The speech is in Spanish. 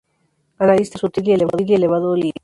Analista sutil y elevado lirismo.